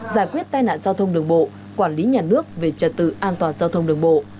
giải quyết tai nạn giao thông đường bộ quản lý nhà nước về trật tự an toàn giao thông đường bộ